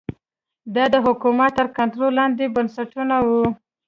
دا د حکومت تر کنټرول لاندې بنسټونه وو